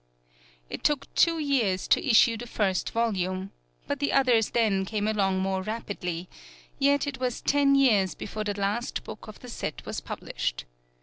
It took two years to issue the first volume, but the others then came along more rapidly, yet it was ten years before the last book of the set was published.